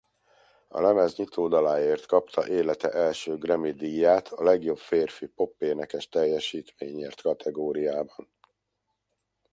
A lemez nyitódaláért kapta élete első Grammy-díját a legjobb férfi popénekes teljesítményért kategóriában.